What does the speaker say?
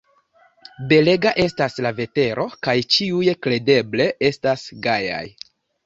Belega estas la vetero kaj ĉiuj kredeble estas gajaj.